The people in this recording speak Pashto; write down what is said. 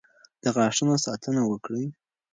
د غاښونو ساتنه وکړئ.